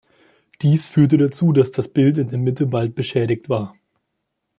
Dies führte dazu, dass das Bild in der Mitte bald beschädigt war.